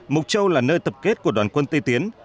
mộc châu là nơi tập kết của đoàn quân tây tiến